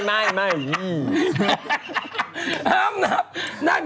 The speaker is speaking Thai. ห้ามนับ